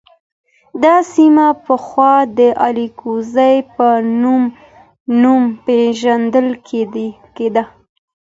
دا سیمه پخوا د اراکوزیا په نوم پېژندل کېده.